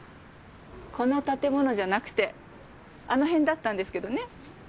この建物じゃなくてあの辺だったんですけどね。